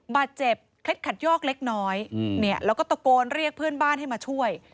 เคล็ดขัดยอกเล็กน้อยแล้วก็ตะโกนเรียกเพื่อนบ้านให้มาช่วย